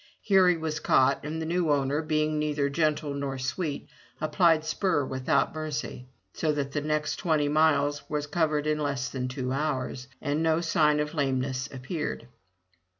Here he was caught, and the new owner, being neither gentle nor sweet, applied spur without mercy, so that the next twenty miles was covered in less than two hours and nosignof lamenessappeared.